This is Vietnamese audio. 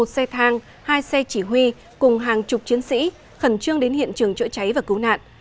một xe thang hai xe chỉ huy cùng hàng chục chiến sĩ khẩn trương đến hiện trường chữa cháy và cứu nạn